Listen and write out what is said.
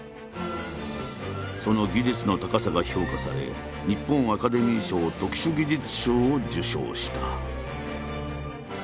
その技術の高さが評価され日本アカデミー賞特殊技術賞を受賞した。